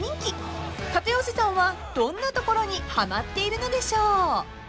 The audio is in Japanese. ［片寄さんはどんなところにはまっているのでしょう？］